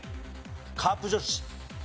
カープ女子。